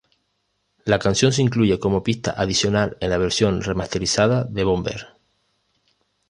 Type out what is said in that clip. La canción se incluye como pista adicional en la versión remasterizada de "Bomber".